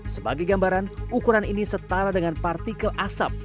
sebagai gambaran ukuran ini setara dengan partikel asap